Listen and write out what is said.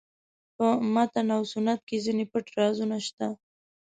په متن او سنت کې ځینې پټ رازونه شته.